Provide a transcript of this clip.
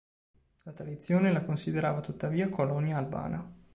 La tradizione la considerava tuttavia colonia albana.